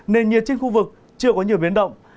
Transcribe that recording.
nền nhiệt trên khu vực chưa có nhiều biến động